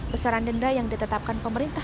besaran denda yang ditetapkan pemerintah